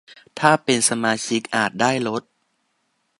ถ้าเป็นสมาชิกอาจได้ลด